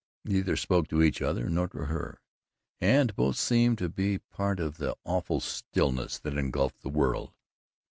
Neither spoke to each other, nor to her, and both seemed to be part of the awful stillness that engulfed the world.